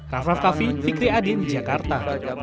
rafa kaffi fikri adin jakarta